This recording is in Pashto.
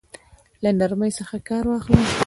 له نرمۍ څخه كار واخله!